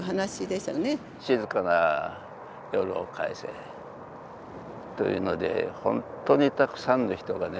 静かな夜を返せというので本当にたくさんの人がね